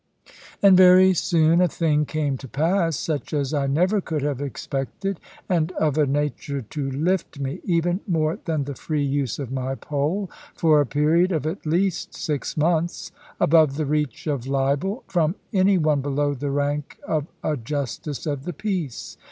And very soon a thing came to pass, such as I never could have expected, and of a nature to lift me (even more than the free use of my pole) for a period of at least six months, above the reach of libel, from any one below the rank of a justice of the peace.